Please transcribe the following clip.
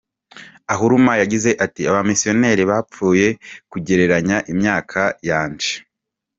Ahuruma yagize ati “Abamisiyoneri bapfuye kugereranya imyaka yanjye.